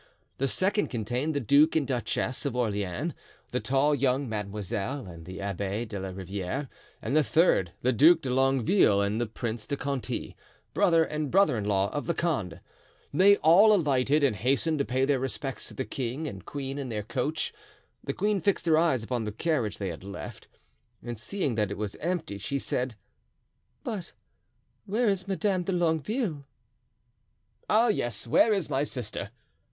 The second contained the Duke and Duchess of Orleans, the tall young Mademoiselle and the Abbé de la Riviere; and the third, the Duke de Longueville and the Prince de Conti, brother and brother in law of Condé. They all alighted and hastened to pay their respects to the king and queen in their coach. The queen fixed her eyes upon the carriage they had left, and seeing that it was empty, she said: "But where is Madame de Longueville?" "Ah, yes, where is my sister?"